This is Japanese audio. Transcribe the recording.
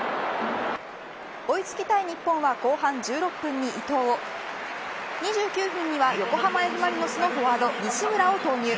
追いつきたい日本は後半１６分に伊藤２９分には横浜Ｆ・マリノスのフォワード西村を投入。